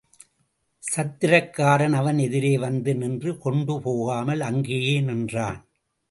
சத்திரக்காரன் அவன் எதிரே வந்து நின்று கொண்டு போகாமல் அங்கேயே நின்றான்.